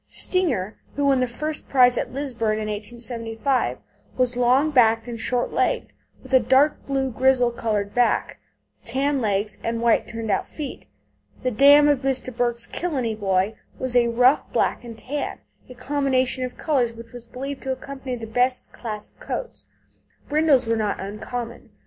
Stinger, who won the first prize at Lisburn in 1875, was long backed and short legged, with a "dark blue grizzle coloured back, tan legs, and white turned out feet." The dam of Mr. Burke's Killeney Boy was a rough black and tan, a combination of colours which was believed to accompany the best class of coats. Brindles were not uncommon.